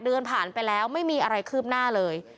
เดือนผ่านไปแล้วไม่มีอะไรคืบหน้าเลย